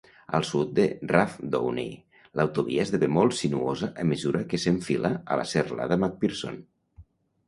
Al sud de Rathdowney, l'autovia esdevé molt sinuosa a mesura que s'enfila a la serralada McPherson.